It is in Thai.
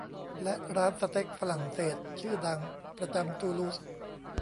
และร้านสเต็กฝรั่งเศสชื่อดังประจำตูลูส